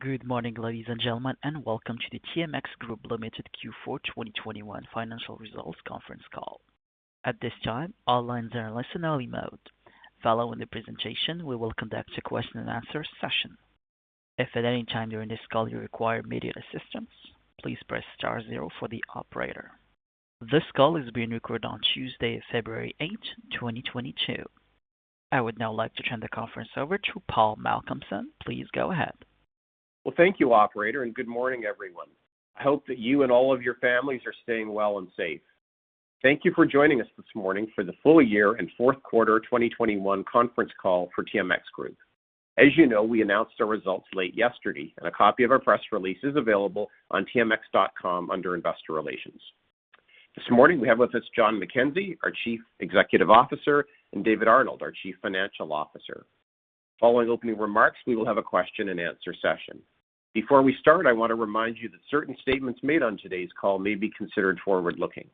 Good morning, ladies and gentlemen, and welcome to the TMX Group Limited Q4 2021 Financial Results Conference Call. At this time, all lines are in listen-only mode. Following the presentation, we will conduct a question and answer session. If at any time during this call you require immediate assistance, please press star zero for the operator. This call is being recorded on Tuesday, February 8, 2022. I would now like to turn the conference over to Paul Malcolmson. Please go ahead. Well, thank you operator, and good morning, everyone. I hope that you and all of your families are staying well and safe. Thank you for joining us this morning for the full year and fourth quarter 2021 conference call for TMX Group. As you know, we announced our results late yesterday, and a copy of our press release is available on tmx.com under Investor Relations. This morning we have with us John McKenzie, our Chief Executive Officer, and David Arnold, our Chief Financial Officer. Following opening remarks, we will have a question and answer session. Before we start, I wanna remind you that certain statements made on today's call may be considered forward-looking.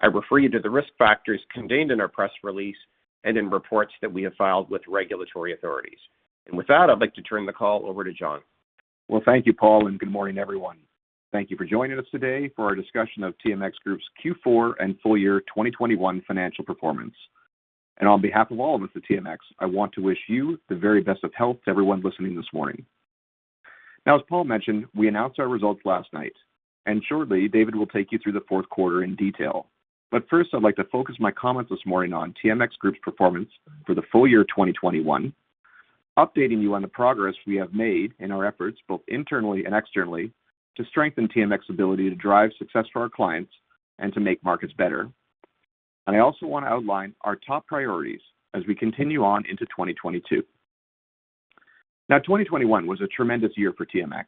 I refer you to the risk factors contained in our press release and in reports that we have filed with regulatory authorities. With that, I'd like to turn the call over to John. Well, thank you, Paul, and good morning, everyone. Thank you for joining us today for our discussion of TMX Group's Q4 and full year 2021 financial performance. On behalf of all of us at TMX, I want to wish you the very best of health to everyone listening this morning. Now, as Paul mentioned, we announced our results last night, and shortly David will take you through the fourth quarter in detail. First, I'd like to focus my comments this morning on TMX Group's performance for the full year 2021, updating you on the progress we have made in our efforts, both internally and externally, to strengthen TMX ability to drive success for our clients and to make markets better. I also wanna outline our top priorities as we continue on into 2022. Now, 2021 was a tremendous year for TMX,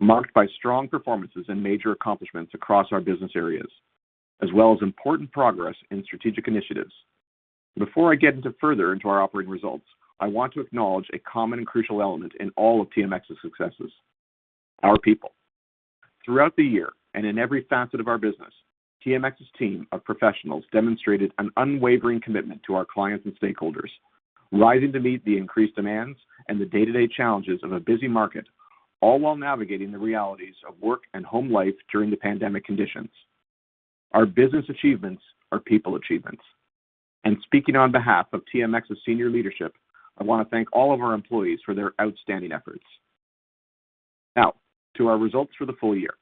marked by strong performances and major accomplishments across our business areas, as well as important progress in strategic initiatives. Before I get further into our operating results, I want to acknowledge a common and crucial element in all of TMX's successes, our people. Throughout the year and in every facet of our business, TMX's team of professionals demonstrated an unwavering commitment to our clients and stakeholders, rising to meet the increased demands and the day-to-day challenges of a busy market, all while navigating the realities of work and home life during the pandemic conditions. Our business achievements are people achievements. Speaking on behalf of TMX's senior leadership, I wanna thank all of our employees for their outstanding efforts. Now to our results for the full year.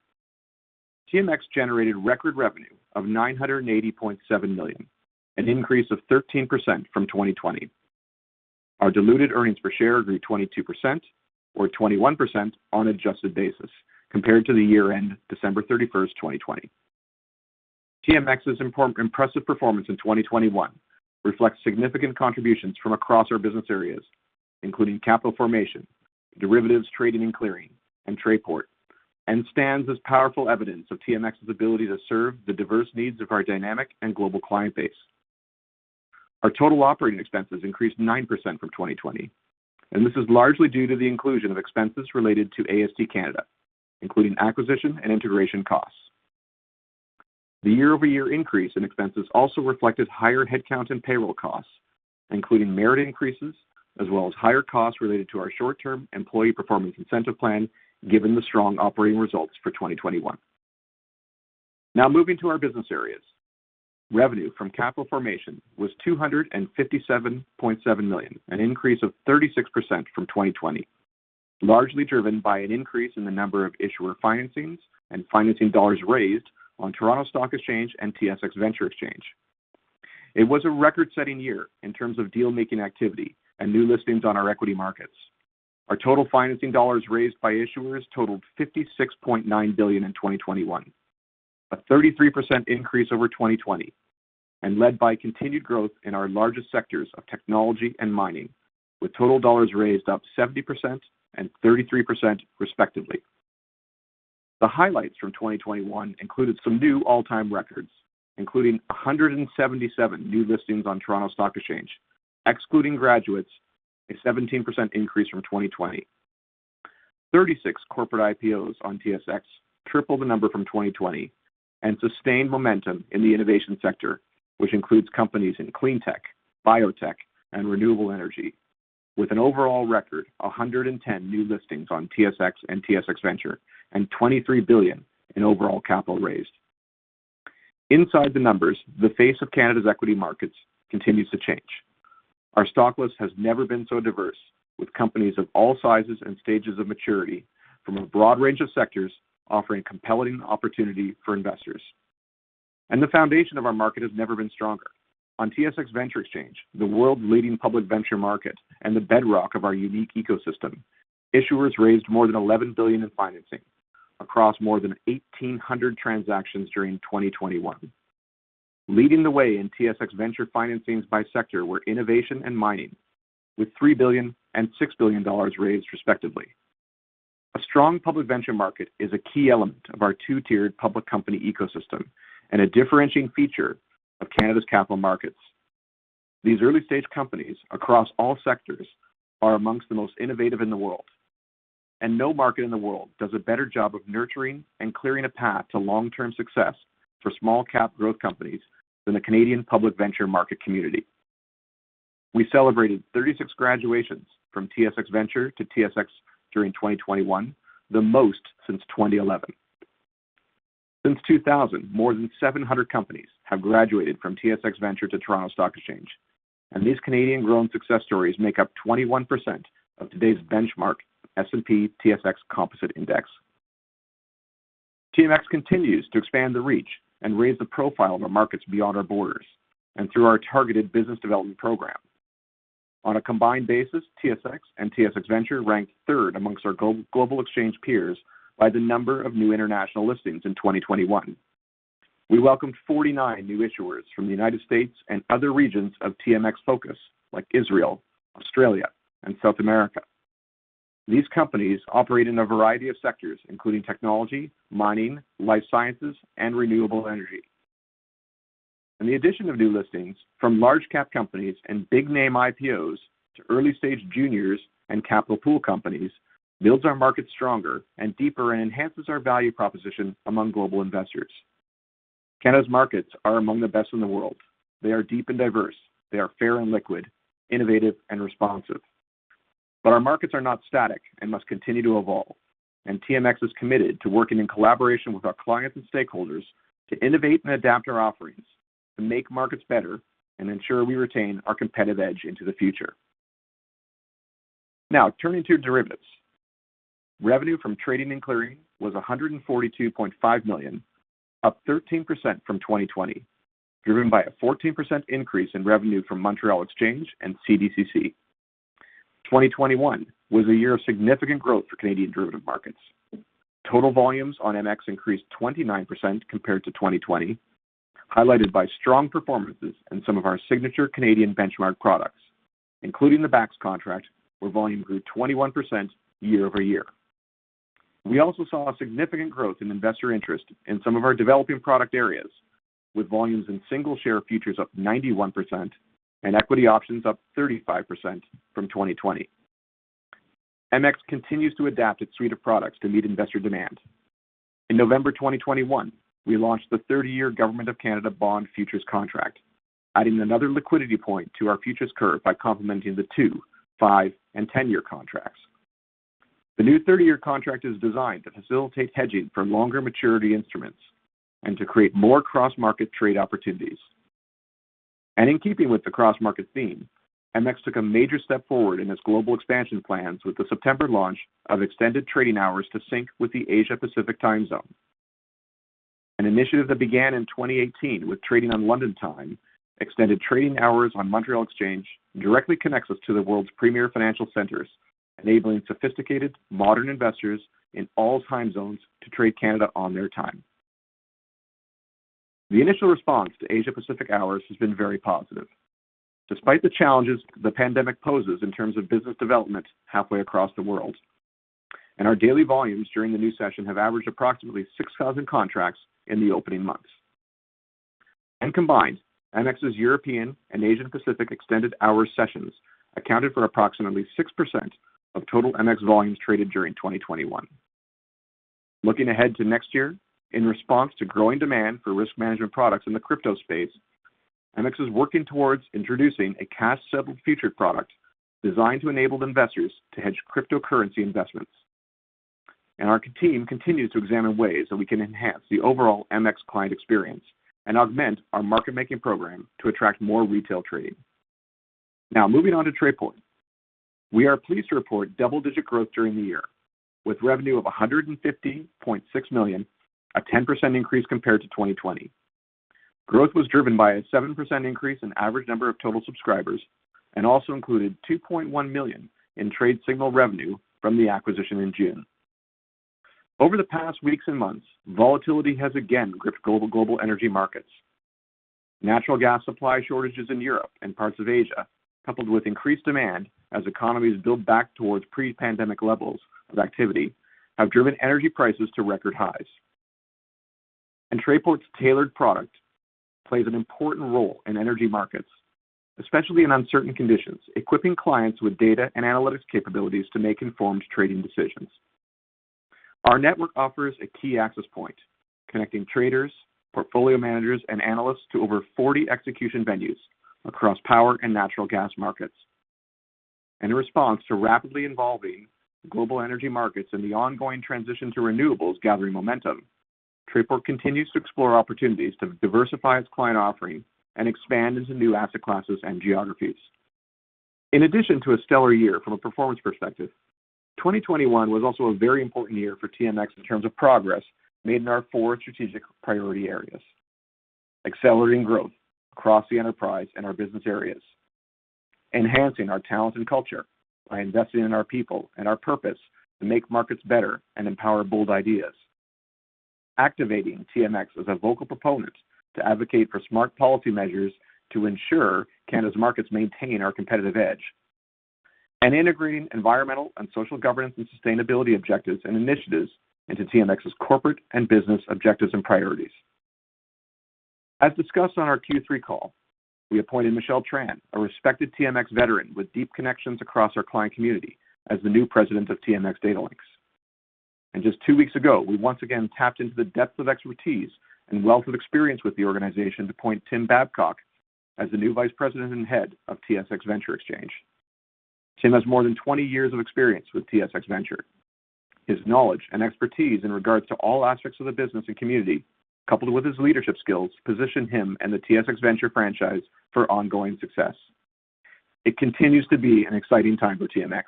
TMX generated record revenue of 980.7 million, an increase of 13% from 2020. Our diluted earnings per share grew 22% or 21% on adjusted basis compared to the year ended December 31st, 2020. TMX's impressive performance in 2021 reflects significant contributions from across our business areas, including Capital Formation, Derivatives Trading and Clearing, and Trayport, and stands as powerful evidence of TMX's ability to serve the diverse needs of our dynamic and global client base. Our total operating expenses increased 9% from 2020, and this is largely due to the inclusion of expenses related to AST Canada, including acquisition and integration costs. The year-over-year increase in expenses also reflected higher headcount and payroll costs, including merit increases, as well as higher costs related to our short-term employee performance incentive plan, given the strong operating results for 2021. Now moving to our business areas. Revenue from Capital Formation was 257.7 million, an increase of 36% from 2020, largely driven by an increase in the number of issuer financings and financing dollars raised on Toronto Stock Exchange and TSX Venture Exchange. It was a record-setting year in terms of deal-making activity and new listings on our equity markets. Our total financing dollars raised by issuers totaled 56.9 billion in 2021, a 33% increase over 2020 and led by continued growth in our largest sectors of technology and mining, with total dollars raised up 70% and 33% respectively. The highlights from 2021 included some new all-time records, including 177 new listings on Toronto Stock Exchange, excluding graduates, a 17% increase from 2020. Thirty six corporate IPOs on TSX, triple the number from 2020, and sustained momentum in the innovation sector, which includes companies in clean tech, biotech, and renewable energy. With an overall record, 110 new listings on TSX and TSX Venture and 23 billion in overall capital raised. Inside the numbers, the face of Canada's equity markets continues to change. Our stock list has never been so diverse with companies of all sizes and stages of maturity from a broad range of sectors offering compelling opportunity for investors. The foundation of our market has never been stronger. On TSX Venture Exchange, the world's leading public venture market and the bedrock of our unique ecosystem, issuers raised more than 11 billion in financing across more than 1,800 transactions during 2021. Leading the way in TSX Venture financings by sector were innovation and mining with 3 billion and 6 billion dollars raised respectively. A strong public venture market is a key element of our two-tiered public company ecosystem and a differentiating feature of Canada's capital markets. These early-stage companies across all sectors are among the most innovative in the world, and no market in the world does a better job of nurturing and clearing a path to long-term success for small cap growth companies than the Canadian public venture market community. We celebrated 36 graduations from TSX Venture to TSX during 2021, the most since 2011. Since 2000, more than 700 companies have graduated from TSX Venture to Toronto Stock Exchange, and these Canadian-grown success stories make up 21% of today's benchmark S&P/TSX Composite Index. TMX continues to expand the reach and raise the profile of our markets beyond our borders and through our targeted business development program. On a combined basis, TSX and TSX Venture ranked third among our global exchange peers by the number of new international listings in 2021. We welcomed 49 new issuers from the United States and other regions of TMX focus, like Israel, Australia, and South America. These companies operate in a variety of sectors, including technology, mining, life sciences, and renewable energy. The addition of new listings from large cap companies and big name IPOs to early-stage juniors and Capital Pool Companies builds our market stronger and deeper and enhances our value proposition among global investors. Canada's markets are among the best in the world. They are deep and diverse. They are fair and liquid, innovative and responsive. Our markets are not static and must continue to evolve. TMX is committed to working in collaboration with our clients and stakeholders to innovate and adapt our offerings to make markets better and ensure we retain our competitive edge into the future. Now turning to derivatives. Revenue from trading and clearing was 142.5 million, up 13% from 2020, driven by a 14% increase in revenue from Montréal Exchange and CDCC. 2021 was a year of significant growth for Canadian derivatives markets. Total volumes on MX increased 29% compared to 2020, highlighted by strong performances in some of our signature Canadian benchmark products, including the BAX contract, where volume grew 21% year over year. We also saw a significant growth in investor interest in some of our developing product areas, with volumes in single stock futures up 91% and equity options up 35% from 2020. MX continues to adapt its suite of products to meet investor demand. In November 2021, we launched the 30-year government of Canada bond futures contract, adding another liquidity point to our futures curve by complementing the two, five, and 10-year contracts. The new 30-year contract is designed to facilitate hedging for longer maturity instruments and to create more cross-market trade opportunities. In keeping with the cross-market theme, MX took a major step forward in its global expansion plans with the September launch of extended trading hours to sync with the Asia Pacific time zone. An initiative that began in 2018 with trading on London time, extended trading hours on Montréal Exchange directly connects us to the world's premier financial centers, enabling sophisticated modern investors in all time zones to trade Canada on their time. The initial response to Asia Pacific hours has been very positive. Despite the challenges the pandemic poses in terms of business development halfway across the world, our daily volumes during the new session have averaged approximately 6,000 contracts in the opening months. Combined, MX's European and Asian Pacific extended hour sessions accounted for approximately 6% of total MX volumes traded during 2021. Looking ahead to next year, in response to growing demand for risk management products in the crypto space, MX is working towards introducing a cash-settled future product designed to enable investors to hedge cryptocurrency investments. Our team continues to examine ways that we can enhance the overall MX client experience and augment our market making program to attract more retail trading. Now moving on to Trayport. We are pleased to report double-digit growth during the year with revenue of 150.6 million, a 10% increase compared to 2020. Growth was driven by a 7% increase in average number of total subscribers and also included 2.1 million in TradeSignal revenue from the acquisition in June. Over the past weeks and months, volatility has again gripped global energy markets. Natural gas supply shortages in Europe and parts of Asia, coupled with increased demand as economies build back towards pre-pandemic levels of activity, have driven energy prices to record highs. Trayport's tailored product plays an important role in energy markets, especially in uncertain conditions, equipping clients with data and analytics capabilities to make informed trading decisions. Our network offers a key access point, connecting traders, portfolio managers, and analysts to over 40 execution venues across power and natural gas markets. In a response to rapidly evolving global energy markets and the ongoing transition to renewables gathering momentum, Trayport continues to explore opportunities to diversify its client offering and expand into new asset classes and geographies. In addition to a stellar year from a performance perspective, 2021 was also a very important year for TMX in terms of progress made in our four strategic priority areas. Accelerating growth across the enterprise and our business areas. Enhancing our talent and culture by investing in our people and our purpose to make markets better and empower bold ideas. Activating TMX as a vocal proponent to advocate for smart policy measures to ensure Canada's markets maintain our competitive edge. Integrating environmental and social governance and sustainability objectives and initiatives into TMX's corporate and business objectives and priorities. As discussed on our Q3 call, we appointed Michelle Tran, a respected TMX veteran with deep connections across our client community, as the new President of TMX Datalinx. Just two weeks ago, we once again tapped into the depth of expertise and wealth of experience within the organization to appoint Tim Babcock as the new Vice President and Head of TSX Venture Exchange. Tim has more than 20 years of experience with TSX Venture. His knowledge and expertise in regards to all aspects of the business and community, coupled with his leadership skills, position him and the TSX Venture franchise for ongoing success. It continues to be an exciting time for TMX.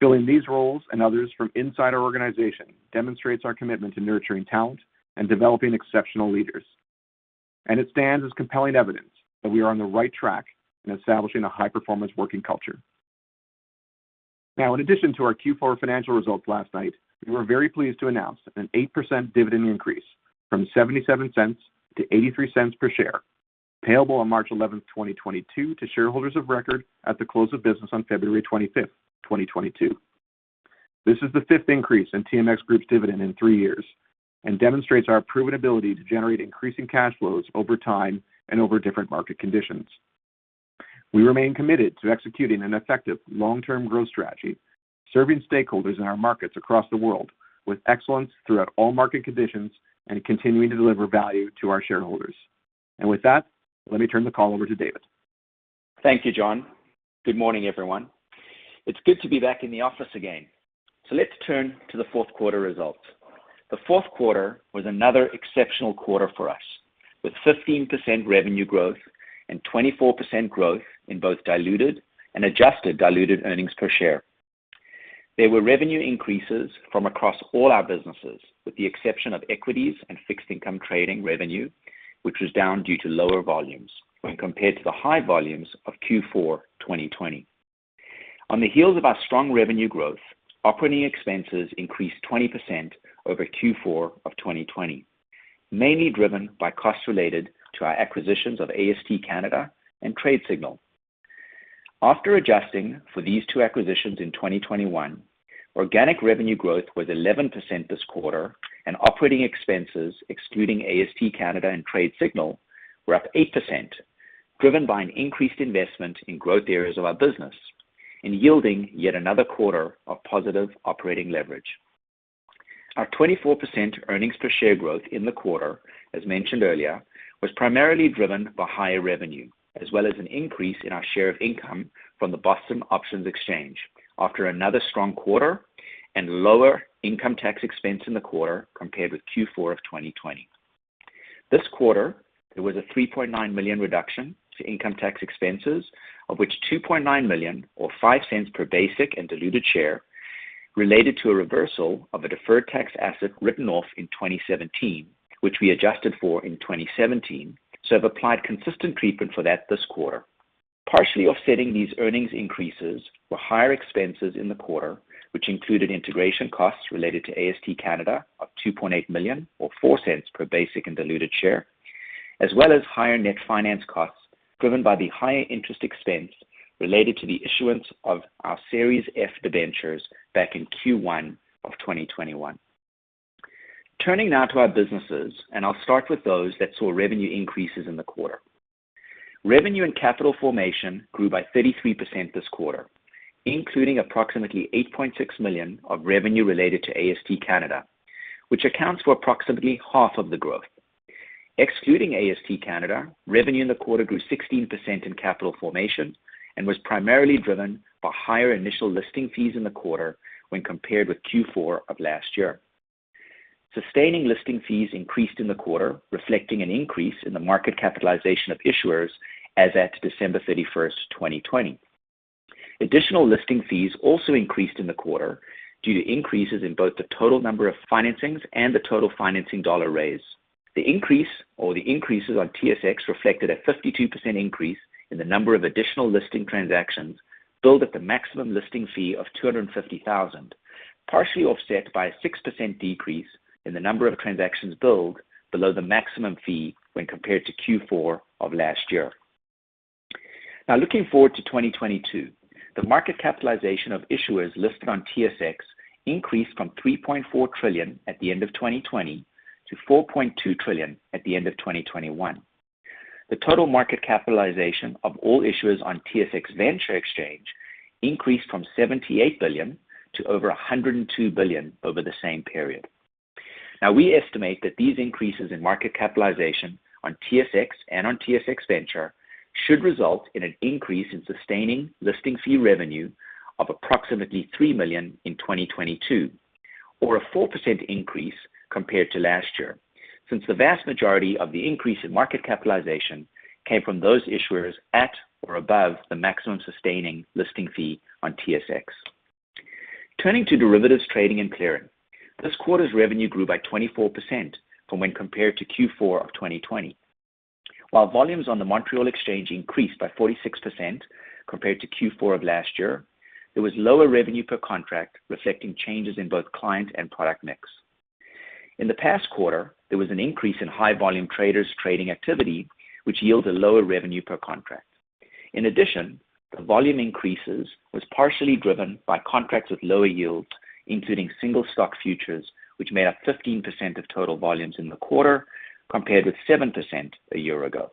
Filling these roles and others from inside our organization demonstrates our commitment to nurturing talent and developing exceptional leaders. It stands as compelling evidence that we are on the right track in establishing a high-performance working culture. Now, in addition to our Q4 financial results last night, we were very pleased to announce an 8% dividend increase from 0.77 to 0.83 per share, payable on March 11th, 2022 to shareholders of record at the close of business on February 25th, 2022. This is the fifth increase in TMX Group's dividend in three years and demonstrates our proven ability to generate increasing cash flows over time and over different market conditions. We remain committed to executing an effective long-term growth strategy, serving stakeholders in our markets across the world with excellence throughout all market conditions and continuing to deliver value to our shareholders. With that, let me turn the call over to David. Thank you, John. Good morning, everyone. It's good to be back in the office again. Let's turn to the fourth quarter results. The fourth quarter was another exceptional quarter for us, with 15% revenue growth and 24% growth in both diluted and adjusted diluted earnings per share. There were revenue increases from across all our businesses, with the exception of equities and fixed income trading revenue, which was down due to lower volumes when compared to the high volumes of Q4, 2020. On the heels of our strong revenue growth, operating expenses increased 20% over Q4 2020, mainly driven by costs related to our acquisitions of AST Canada and TradeSignal. After adjusting for these two acquisitions in 2021, organic revenue growth was 11% this quarter, and operating expenses, excluding AST Canada and TradeSignal, were up 8%, driven by an increased investment in growth areas of our business and yielding yet another quarter of positive operating leverage. Our 24% earnings per share growth in the quarter, as mentioned earlier, was primarily driven by higher revenue, as well as an increase in our share of income from the Boston Options Exchange after another strong quarter and lower income tax expense in the quarter compared with Q4 2020. This quarter, there was a 3.9 million reduction to income tax expenses, of which 2.9 million or 0.05 per basic and diluted share related to a reversal of a deferred tax asset written off in 2017, which we adjusted for in 2017, so have applied consistent treatment for that this quarter. Partially offsetting these earnings increases were higher expenses in the quarter, which included integration costs related to AST Canada of 2.8 million or 0.04 per basic and diluted share, as well as higher net finance costs driven by the higher interest expense related to the issuance of our Series F debentures back in Q1 2021. Turning now to our businesses, I'll start with those that saw revenue increases in the quarter. Revenue and Capital Formation grew by 33% this quarter, including approximately 8.6 million of revenue related to AST Canada, which accounts for approximately half of the growth. Excluding AST Canada, revenue in the quarter grew 16% in Capital Formation and was primarily driven by higher initial listing fees in the quarter when compared with Q4 of last year. Sustaining listing fees increased in the quarter, reflecting an increase in the market capitalization of issuers as at December 31st, 2020. Additional listing fees also increased in the quarter due to increases in both the total number of financings and the total financing dollar raise. The increase or the increases on TSX reflected a 52% increase in the number of additional listing transactions billed at the maximum listing fee of 250,000, partially offset by a 6% decrease in the number of transactions billed below the maximum fee when compared to Q4 of last year. Now looking forward to 2022, the market capitalization of issuers listed on TSX increased from 3.4 trillion at the end of 2020 to 4.2 trillion at the end of 2021. The total market capitalization of all issuers on TSX Venture Exchange increased from 78 billion to over 102 billion over the same period. Now, we estimate that these increases in market capitalization on TSX and on TSX Venture should result in an increase in sustaining listing fee revenue of approximately 3 million in 2022, or a 4% increase compared to last year, since the vast majority of the increase in market capitalization came from those issuers at or above the maximum sustaining listing fee on TSX. Turning to Derivatives Trading and Clearing, this quarter's revenue grew by 24% from when compared to Q4 of 2020. While volumes on the Montréal Exchange increased by 46% compared to Q4 of last year, there was lower revenue per contract reflecting changes in both client and product mix. In the past quarter, there was an increase in high volume traders' trading activity, which yields a lower revenue per contract. In addition, the volume increases was partially driven by contracts with lower yields, including single stock futures, which made up 15% of total volumes in the quarter, compared with 7% a year ago.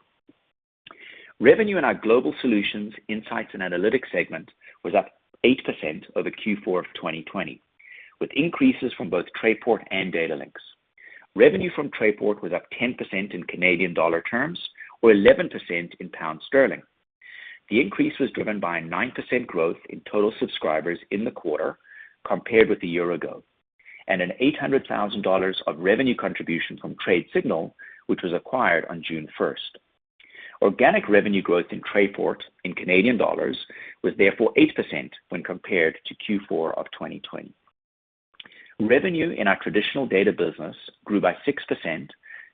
Revenue in our Global Solutions, Insights and Analytics segment was up 8% over Q4 of 2020, with increases from both Trayport and Datalinx. Revenue from Trayport was up 10% in Canadian dollar terms, or 11% in pound sterling. The increase was driven by 9% growth in total subscribers in the quarter compared with a year ago, and 800,000 dollars of revenue contribution from TradeSignal, which was acquired on June first. Organic revenue growth in Trayport in Canadian dollars was therefore 8% when compared to Q4 2020. Revenue in our traditional data business grew by 6%,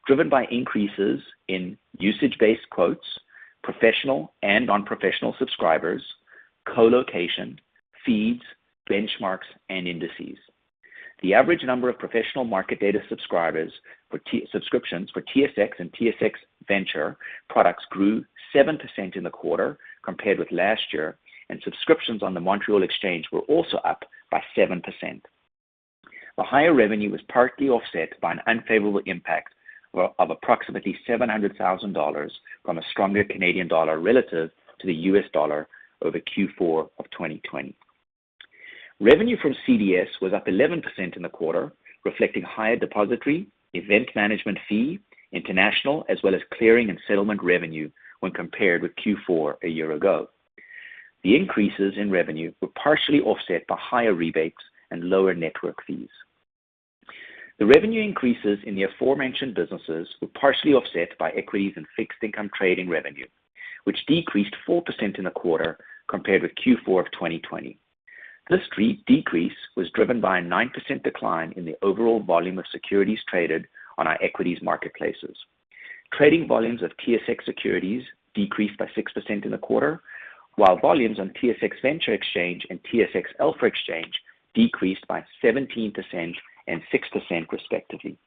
driven by increases in usage-based quotes, professional and non-professional subscribers, colocation, feeds, benchmarks, and indices. The average number of professional market data subscribers for TSX subscriptions for TSX and TSX Venture products grew 7% in the quarter compared with last year, and subscriptions on the Montréal Exchange were also up by 7%. The higher revenue was partly offset by an unfavorable impact of approximately 700,000 dollars from a stronger Canadian dollar relative to the U.S. dollar over Q4 2020. Revenue from CDS was up 11% in the quarter, reflecting higher depository, event management fee, international, as well as clearing and settlement revenue when compared with Q4 a year ago. The increases in revenue were partially offset by higher rebates and lower network fees. The revenue increases in the aforementioned businesses were partially offset by equities and fixed income trading revenue, which decreased 4% in the quarter compared with Q4 of 2020. This decrease was driven by a 9% decline in the overall volume of securities traded on our equities marketplaces. Trading volumes of TSX securities decreased by 6% in the quarter, while volumes on TSX Venture Exchange and TSX Alpha Exchange decreased by 17% and 6% respectively.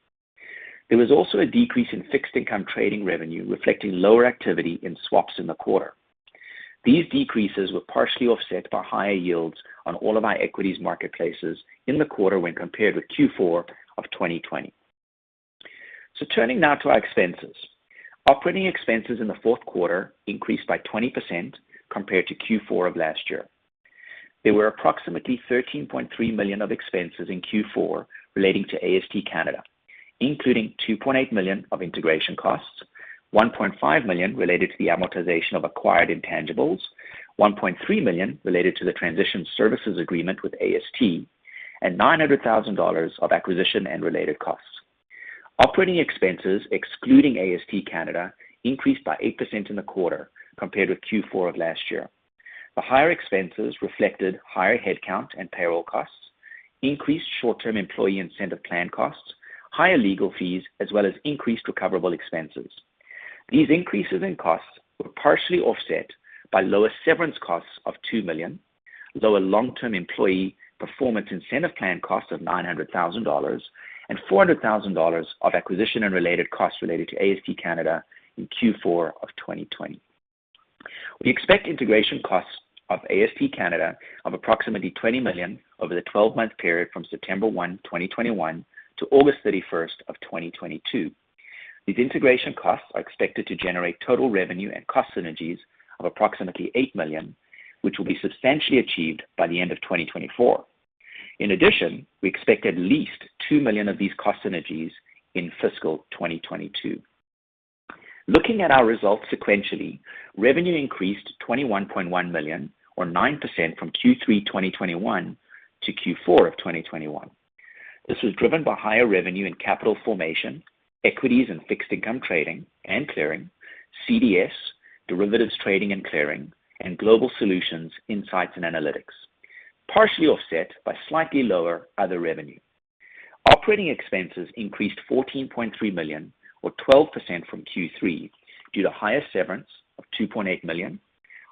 There was also a decrease in fixed income trading revenue, reflecting lower activity in swaps in the quarter. These decreases were partially offset by higher yields on all of our equities marketplaces in the quarter when compared with Q4 2020. Turning now to our expenses. Operating expenses in the fourth quarter increased by 20% compared to Q4 of last year. There were approximately 13.3 million of expenses in Q4 relating to AST Canada, including 2.8 million of integration costs, 1.5 million related to the amortization of acquired intangibles, 1.3 million related to the transition services agreement with AST, and 900 thousand dollars of acquisition and related costs. Operating expenses excluding AST Canada increased by 8% in the quarter compared with Q4 of last year. The higher expenses reflected higher headcount and payroll costs, increased short-term employee incentive plan costs, higher legal fees, as well as increased recoverable expenses. These increases in costs were partially offset by lower severance costs of 2 million, lower long-term employee performance incentive plan costs of 900,000 dollars, and 400,000 dollars of acquisition and related costs related to AST Canada in Q4 2020. We expect integration costs of AST Trust Company (Canada) of approximately 20 million over the 12-month period from September 1, 2021 to August 31st, 2022. These integration costs are expected to generate total revenue and cost synergies of approximately 8 million, which will be substantially achieved by the end of 2024. In addition, we expect at least 2 million of these cost synergies in fiscal 2022. Looking at our results sequentially, revenue increased 21.1 million or 9% from Q3 2021 to Q4 2021. This was driven by higher revenue in Capital Formation, Equities and Fixed Income Trading and Clearing, CDS, Derivatives Trading and Clearing, and Global Solutions, Insights and Analytics, partially offset by slightly lower other revenue. Operating expenses increased 14.3 million or 12% from Q3 due to higher severance of 2.8 million,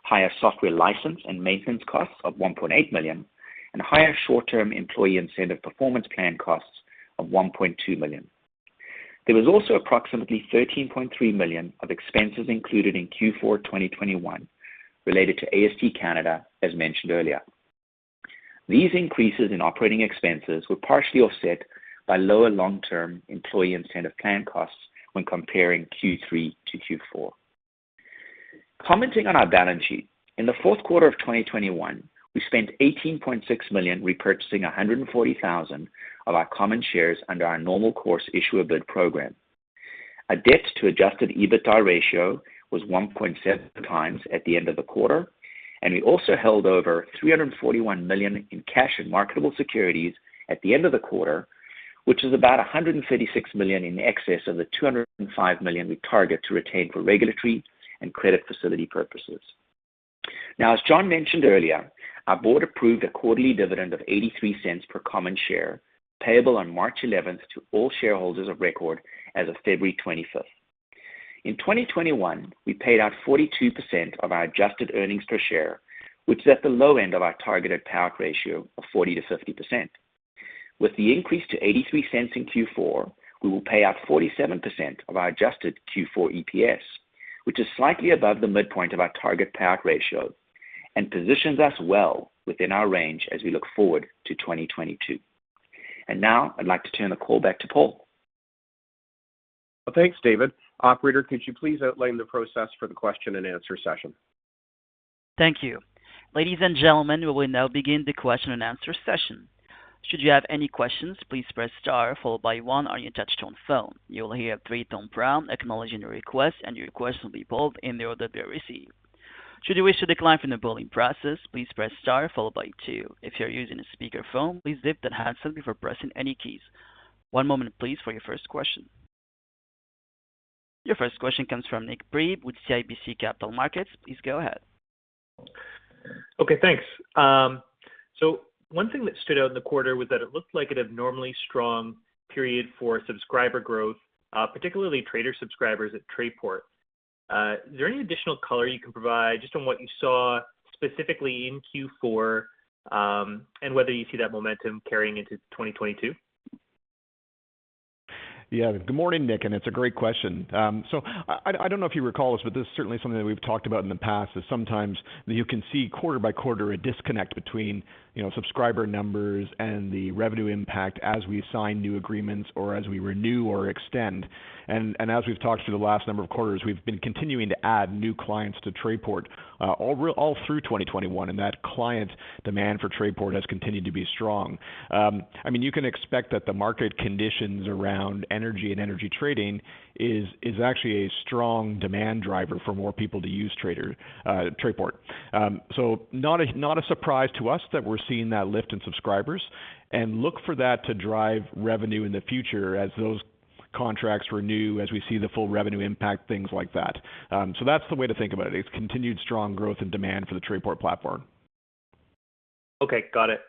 higher software license and maintenance costs of 1.8 million, and higher short-term employee incentive performance plan costs of 1.2 million. There was also approximately 13.3 million of expenses included in Q4 2021 related to AST Canada, as mentioned earlier. These increases in operating expenses were partially offset by lower long-term employee incentive plan costs when comparing Q3 to Q4. Commenting on our balance sheet, in the fourth quarter of 2021, we spent 18.6 million repurchasing 140,000 of our common shares under our Normal Course Issuer Bid program. Our debt-to-adjusted EBITDA ratio was 1.7x at the end of the quarter, and we also held over 341 million in cash and marketable securities at the end of the quarter, which is about 136 million in excess of the 205 million we target to retain for regulatory and credit facility purposes. Now, as John mentioned earlier, our board approved a quarterly dividend of 0.83 per common share, payable on March 11th, to all shareholders of record as of February 25th. In 2021, we paid out 42% of our adjusted earnings per share, which is at the low end of our targeted payout ratio of 40%-50%. With the increase to 0.83 in Q4, we will pay out 47% of our adjusted Q4 EPS, which is slightly above the midpoint of our target payout ratio and positions us well within our range as we look forward to 2022. Now I'd like to turn the call back to Paul. Thanks, David. Operator, could you please outline the process for the question and answer session? Thank you. Ladies and gentlemen, we will now begin the question and answer session. Should you have any questions, please press star followed by one on your touch tone phone. You will hear a three-tone prompt acknowledging your request, and your request will be pulled in the order that we receive. Should you wish to decline from the polling process, please press star followed by two. If you're using a speakerphone, please lift that handset before pressing any keys. One moment please for your first question. Your first question comes from Nik Priebe with CIBC Capital Markets. Please go ahead. Okay, thanks. One thing that stood out in the quarter was that it looked like an abnormally strong period for subscriber growth, particularly trader subscribers at Trayport. Is there any additional color you can provide just on what you saw specifically in Q4, and whether you see that momentum carrying into 2022? Yeah. Good morning, Nick, and it's a great question. So I don't know if you recall this, but this is certainly something that we've talked about in the past, is sometimes you can see quarter by quarter a disconnect between, you know, subscriber numbers and the revenue impact as we sign new agreements or as we renew or extend. As we've talked through the last number of quarters, we've been continuing to add new clients to Trayport, all through 2021, and that client demand for Trayport has continued to be strong. I mean, you can expect that the market conditions around energy and energy trading is actually a strong demand driver for more people to use Trayport. Not a surprise to us that we're seeing that lift in subscribers, and look for that to drive revenue in the future as those contracts renew, as we see the full revenue impact, things like that. That's the way to think about it. It's continued strong growth and demand for the Trayport platform. Okay, got it.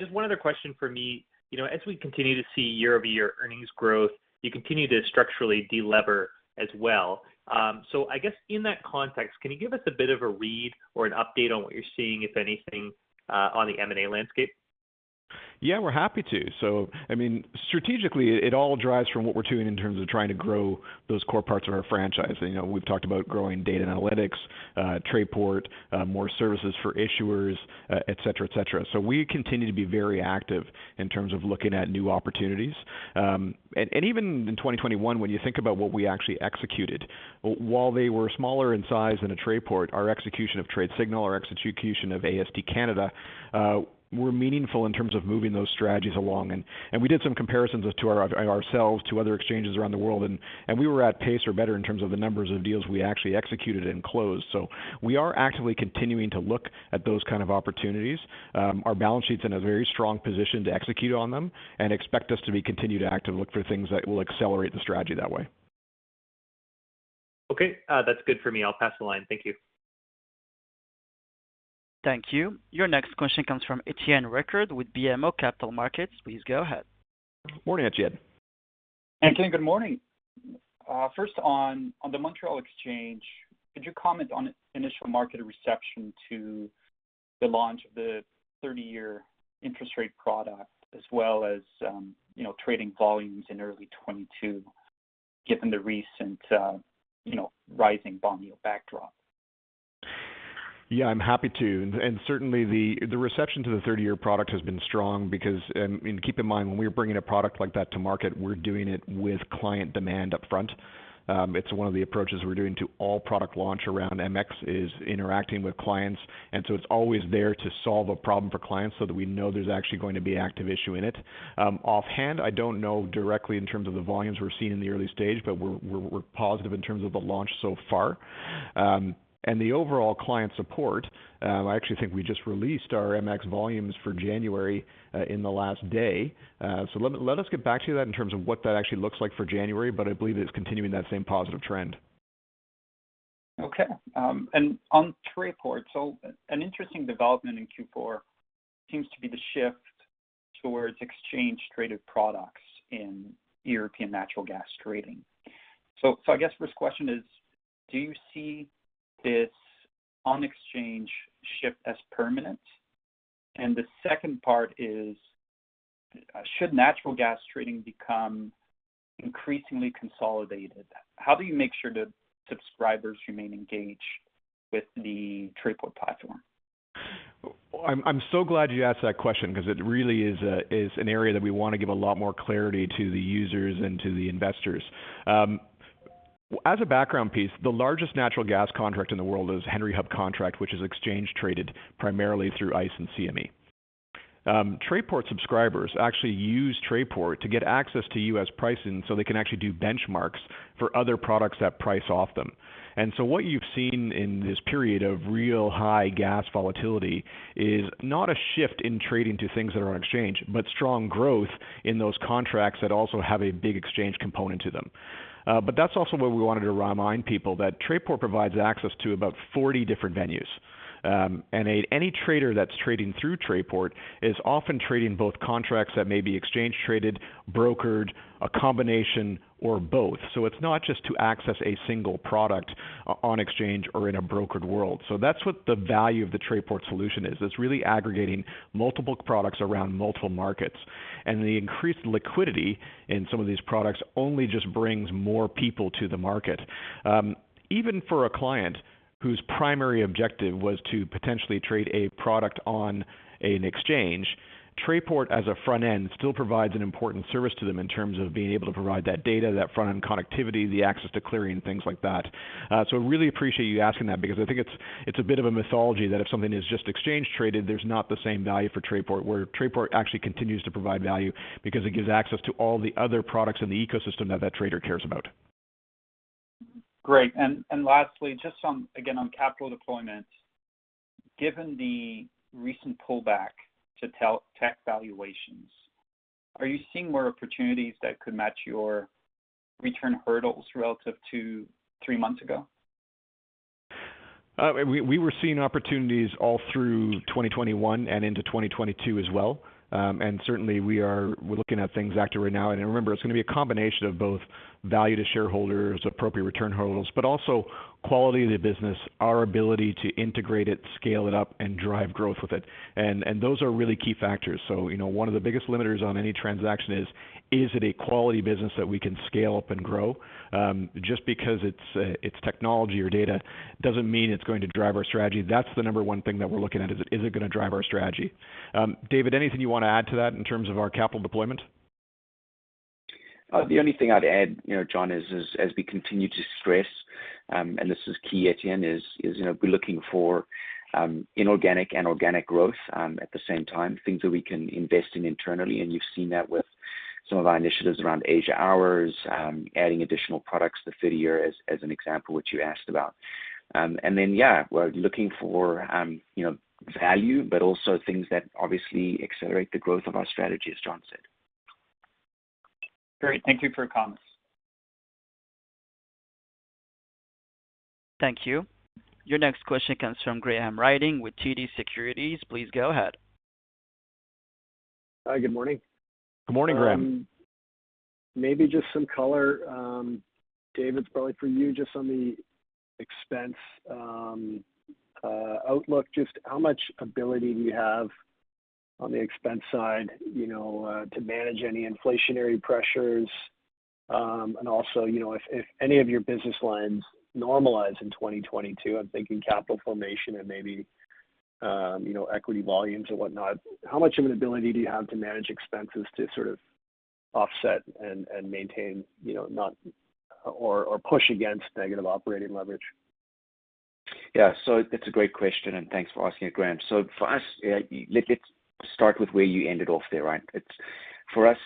Just one other question for me. You know, as we continue to see year-over-year earnings growth, you continue to structurally deleverage as well. I guess in that context, can you give us a bit of a read or an update on what you're seeing, if anything, on the M&A landscape? Yeah, we're happy to. I mean, strategically it all derives from what we're doing in terms of trying to grow those core parts of our franchise. You know, we've talked about growing data and analytics, Trayport, more services for issuers, etc. We continue to be very active in terms of looking at new opportunities. Even in 2021, when you think about what we actually executed, while they were smaller in size than a Trayport, our execution of TradeSignal, our execution of AST Canada, were meaningful in terms of moving those strategies along. We did some comparisons as to ourselves to other exchanges around the world, and we were at pace or better in terms of the numbers of deals we actually executed and closed. We are actively continuing to look at those kind of opportunities. Our balance sheet's in a very strong position to execute on them and we expect to continue to actively look for things that will accelerate the strategy that way. Okay, that's good for me. I'll pass the line. Thank you. Thank you. Your next question comes from Étienne Ricard with BMO Capital Markets. Please go ahead. Morning, Étienne. Good morning. First on the Montréal Exchange, could you comment on initial market reception to the launch of the 30-year interest rate product as well as, you know, trading volumes in early 2022, given the recent rising bond yield backdrop? Yeah, I'm happy to. Certainly the reception to the 30-year product has been strong because keep in mind, when we're bringing a product like that to market, we're doing it with client demand upfront. It's one of the approaches we're doing to all product launch around MX is interacting with clients. It's always there to solve a problem for clients so that we know there's actually going to be active issue in it. Offhand, I don't know directly in terms of the volumes we're seeing in the early stage, but we're positive in terms of the launch so far. The overall client support, I actually think we just released our MX volumes for January in the last day. Let us get back to you that in terms of what that actually looks like for January, but I believe it's continuing that same positive trend. Okay. On Trayport, an interesting development in Q4 seems to be the shift towards exchange traded products in European natural gas trading. I guess first question is, do you see this on-exchange shift as permanent? The second part is, should natural gas trading become increasingly consolidated, how do you make sure that subscribers remain engaged with the Trayport platform? I'm so glad you asked that question because it really is an area that we wanna give a lot more clarity to the users and to the investors. As a background piece, the largest natural gas contract in the world is Henry Hub contract, which is exchange traded primarily through ICE and CME. Trayport subscribers actually use Trayport to get access to U.S. pricing so they can actually do benchmarks for other products that price off them. What you've seen in this period of real high gas volatility is not a shift in trading to things that are on exchange, but strong growth in those contracts that also have a big exchange component to them. That's also where we wanted to remind people that Trayport provides access to about 40 different venues. Any trader that's trading through Trayport is often trading both contracts that may be exchange traded, brokered, a combination, or both. It's not just to access a single product on exchange or in a brokered world. That's what the value of the Trayport solution is. It's really aggregating multiple products around multiple markets. The increased liquidity in some of these products only just brings more people to the market. Even for a client whose primary objective was to potentially trade a product on an exchange. Trayport as a front end still provides an important service to them in terms of being able to provide that data, that front-end connectivity, the access to clearing, things like that. Really appreciate you asking that because I think it's a bit of a myth that if something is just exchange traded, there's not the same value for Trayport, where Trayport actually continues to provide value because it gives access to all the other products in the ecosystem that trader cares about. Great. Lastly, just again on capital deployment. Given the recent pullback to cleantech valuations, are you seeing more opportunities that could match your return hurdles relative to three months ago? We were seeing opportunities all through 2021 and into 2022 as well. Certainly we're looking at things actively right now. Remember, it's gonna be a combination of both value to shareholders, appropriate return hurdles, but also quality of the business, our ability to integrate it, scale it up, and drive growth with it. Those are really key factors. You know, one of the biggest limiters on any transaction is it a quality business that we can scale up and grow? Just because it's technology or data doesn't mean it's going to drive our strategy. That's the number one thing that we're looking at, is it gonna drive our strategy? David, anything you wanna add to that in terms of our capital deployment? The only thing I'd add, you know, John, is as we continue to stress, and this is key at the end, is you know, we're looking for inorganic and organic growth at the same time, things that we can invest in internally, and you've seen that with some of our initiatives around Asia hours, adding additional products, the fifth year as an example, which you asked about. And then, yeah, we're looking for you know, value, but also things that obviously accelerate the growth of our strategy, as John said. Great. Thank you for your comments. Thank you. Your next question comes from Graham Ryding with TD Securities. Please go ahead. Hi. Good morning. Good morning, Graham. Maybe just some color, David, probably for you, just on the expense outlook. Just how much ability do you have on the expense side, you know, to manage any inflationary pressures? And also, you know, if any of your business lines normalize in 2022, I'm thinking Capital Formation and maybe, you know, equity volumes or whatnot, how much of an ability do you have to manage expenses to sort of offset and maintain, you know, not or push against negative operating leverage? Yeah. That's a great question, and thanks for asking it, Graham. For us, let's start with where you ended off there, right? It's for us,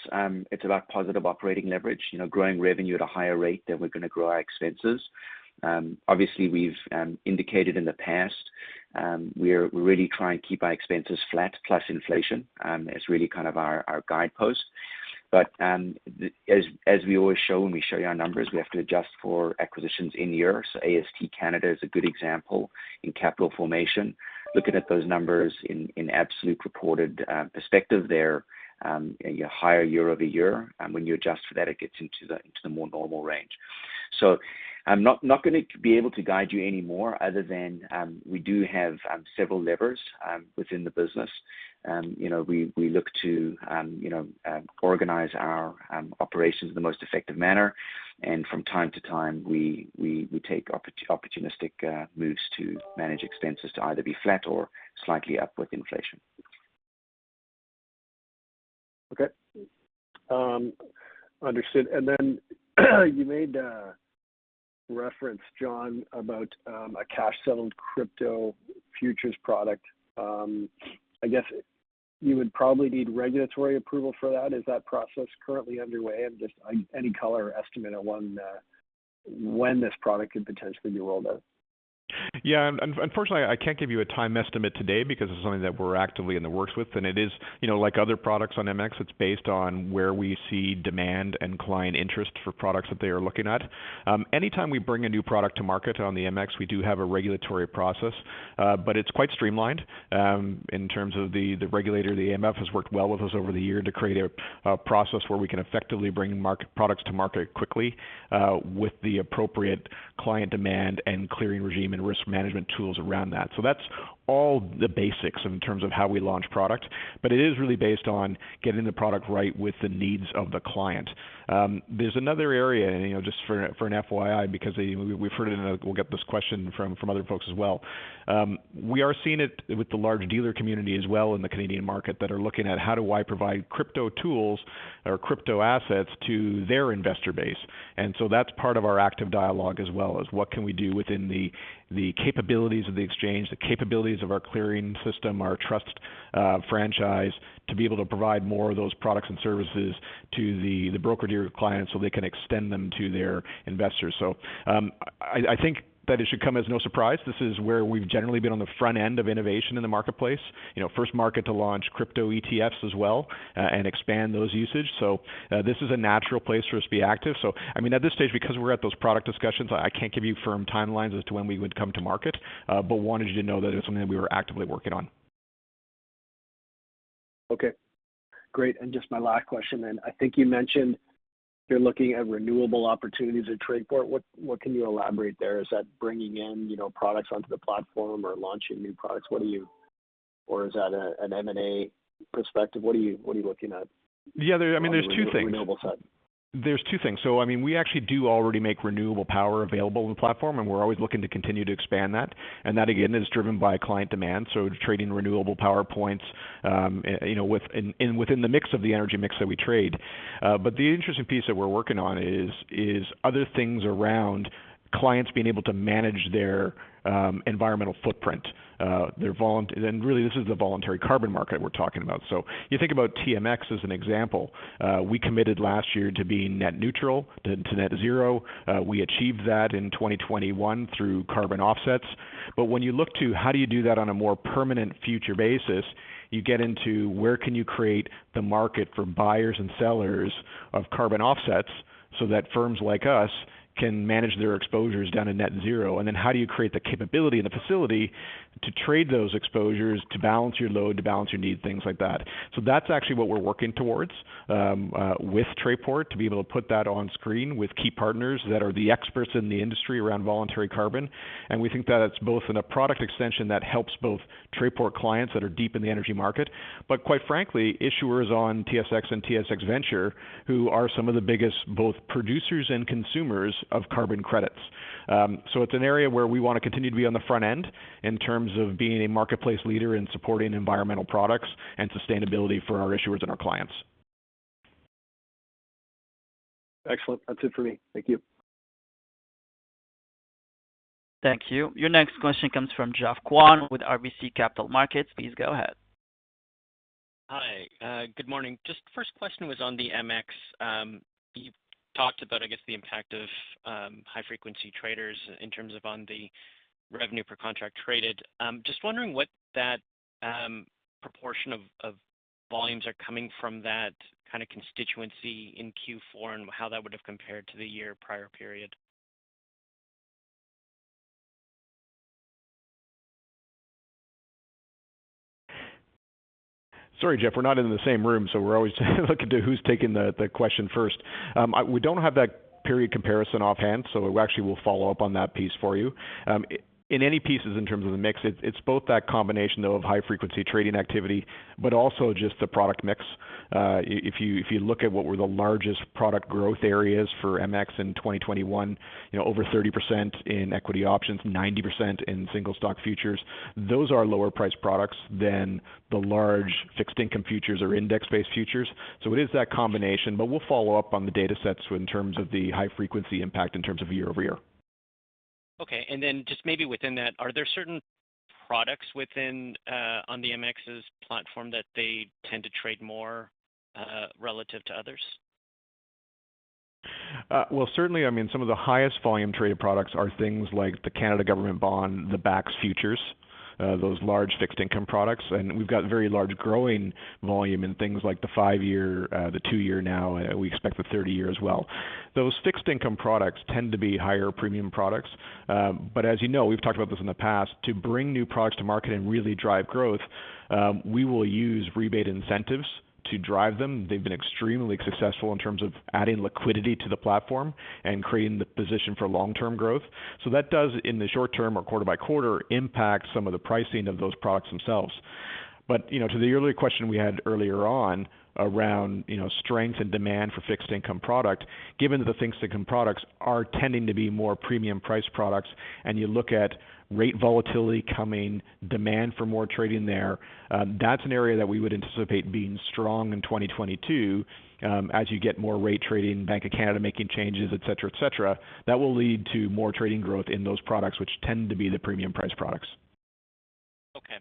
it's about positive operating leverage, you know, growing revenue at a higher rate than we're gonna grow our expenses. Obviously we've indicated in the past, we're really trying to keep our expenses flat plus inflation, as really kind of our guidepost. As we always show when we show you our numbers, we have to adjust for acquisitions in year. AST Canada is a good example in Capital Formation. Looking at those numbers in absolute reported perspective there, you're higher year-over-year. When you adjust for that, it gets into the more normal range. I'm not gonna be able to guide you any more other than we do have several levers within the business. You know, we look to you know organize our operations in the most effective manner. From time to time, we take opportunistic moves to manage expenses to either be flat or slightly up with inflation. Okay. Understood. You made a reference, John, about a cash-settled crypto futures product. I guess you would probably need regulatory approval for that. Is that process currently underway? Just any color or estimate on when this product could potentially be rolled out. Yeah. Unfortunately, I can't give you a time estimate today because it's something that we're actively in the works with. It is, you know, like other products on MX, it's based on where we see demand and client interest for products that they are looking at. Anytime we bring a new product to market on the MX, we do have a regulatory process, but it's quite streamlined, in terms of the regulator, the AMF has worked well with us over the year to create a process where we can effectively bring products to market quickly, with the appropriate client demand and clearing regime and risk management tools around that. That's all the basics in terms of how we launch product, but it is really based on getting the product right with the needs of the client. There's another area, you know, just for an FYI, because we've heard it, and we'll get this question from other folks as well. We are seeing it with the large dealer community as well in the Canadian market that are looking at how do I provide crypto tools or crypto assets to their investor base. That's part of our active dialogue as well, is what can we do within the capabilities of the exchange, the capabilities of our clearing system, our trust franchise, to be able to provide more of those products and services to the broker-dealer clients so they can extend them to their investors. I think that it should come as no surprise. This is where we've generally been on the front end of innovation in the marketplace. You know, first market to launch crypto ETFs as well, and expand those usage. This is a natural place for us to be active. I mean, at this stage, because we're at those product discussions, I can't give you firm timelines as to when we would come to market, but wanted you to know that it's something that we were actively working on. Okay, great. Just my last question then. I think you mentioned you're looking at renewable opportunities at Trayport. What can you elaborate there? Is that bringing in, you know, products onto the platform or launching new products? What are you or is that a, an M&A perspective? What are you looking at? Yeah. I mean, there's two things. I mean, we actually do already make renewable power available in the platform, and we're always looking to continue to expand that. That, again, is driven by client demand, so trading renewable power points, you know, within the mix of the energy mix that we trade. The interesting piece that we're working on is other things around clients being able to manage their environmental footprint, and really this is the voluntary carbon market we're talking about. You think about TMX as an example. We committed last year to being net neutral to net zero. We achieved that in 2021 through carbon offsets. When you look to how do you do that on a more permanent future basis, you get into where can you create the market for buyers and sellers of carbon offsets so that firms like us can manage their exposures down to net zero. Then how do you create the capability and the facility to trade those exposures, to balance your load, to balance your need, things like that. That's actually what we're working towards with Trayport, to be able to put that on screen with key partners that are the experts in the industry around voluntary carbon. We think that it's both in a product extension that helps both Trayport clients that are deep in the energy market, but quite frankly, issuers on TSX and TSX Venture, who are some of the biggest, both producers and consumers of carbon credits. It's an area where we wanna continue to be on the forefront in terms of being a marketplace leader in supporting environmental products and sustainability for our issuers and our clients. Excellent. That's it for me. Thank you. Thank you. Your next question comes from Geoffrey Kwan with RBC Capital Markets. Please go ahead. Hi. Good morning. Just first question was on the MX. You talked about, I guess, the impact of high frequency traders in terms of on the revenue per contract traded. Just wondering what that proportion of volumes are coming from that kind of constituency in Q4 and how that would have compared to the year prior period. Sorry, Jeff. We're not in the same room, so we're always looking to who's taking the question first. We don't have that period comparison offhand, so we actually will follow up on that piece for you. In any case in terms of the mix, it's both that combination though of high-frequency trading activity, but also just the product mix. If you look at what were the largest product growth areas for MX in 2021, you know, over 30% in equity options, 90% in single stock futures, those are lower priced products than the large fixed income futures or index-based futures. So it is that combination, but we'll follow up on the data sets in terms of the high-frequency impact in terms of year-over-year. Okay. Just maybe within that, are there certain products within on the MX's platform that they tend to trade more relative to others? Well, certainly, I mean, some of the highest volume traded products are things like the Canadian Government Bond, the BAX Futures, those large fixed income products. We've got very large growing volume in things like the five-year, the two-year now, we expect the 30-year as well. Those fixed income products tend to be higher premium products. As you know, we've talked about this in the past, to bring new products to market and really drive growth, we will use rebate incentives to drive them. They've been extremely successful in terms of adding liquidity to the platform and creating the position for long-term growth. That does in the short term or quarter by quarter impact some of the pricing of those products themselves. You know, to the earlier question we had earlier on around, you know, strength and demand for fixed income product, given that the fixed income products are tending to be more premium priced products, and you look at rate volatility coming, demand for more trading there, that's an area that we would anticipate being strong in 2022, as you get more rate trading, Bank of Canada making changes, et cetera, et cetera, that will lead to more trading growth in those products, which tend to be the premium priced products. Okay.